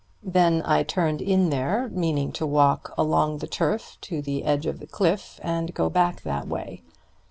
Then I turned in there, meaning to walk along the turf to the edge of the cliff, and go back that way.